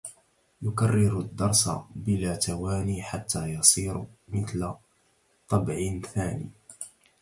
يكررالدرس بلا تواني حتى يصير مثل طبع ثانٍ